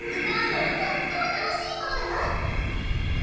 歌うのはとっても楽しいものだよ！